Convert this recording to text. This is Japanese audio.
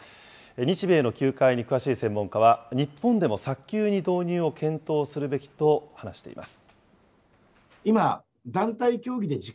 日米の球界に詳しい専門家は、日本でも早急に導入を検討するべきと話しています。